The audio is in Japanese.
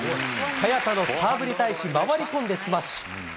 早田のサーブに対し、回り込んでスマッシュ。